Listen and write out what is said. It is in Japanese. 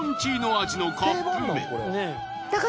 味のカップ麺。